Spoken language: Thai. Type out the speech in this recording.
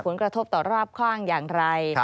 กระทบต่อรอบข้างอย่างไร